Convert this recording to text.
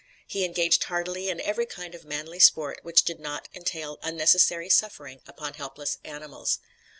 He engaged heartily in every kind of "manly sport" which did not entail unnecessary suffering upon helpless animals.